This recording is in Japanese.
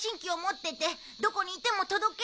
どこにいても届けるから。